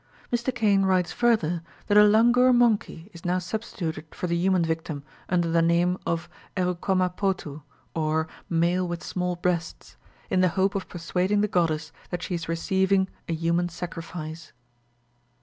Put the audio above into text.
Mr Cain writes further that a langur monkey is now substituted for the human victim under the name of erukomma potu or male with small breasts, in the hope of persuading the goddess that she is receiving a human sacrifice.